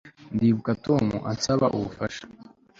Ndibuka Tom ansaba ubufasha